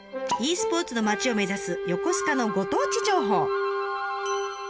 ｅスポーツの街を目指す横須賀のご当地情報。